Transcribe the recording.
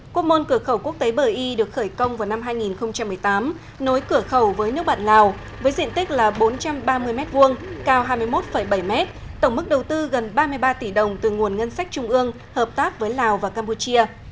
quốc môn cửa khẩu quốc tế bờ y được khởi công vào năm hai nghìn một mươi tám nối cửa khẩu với nước bạn lào với diện tích là bốn trăm ba mươi m hai cao hai mươi một bảy m tổng mức đầu tư gần ba mươi ba tỷ đồng từ nguồn ngân sách trung ương hợp tác với lào và campuchia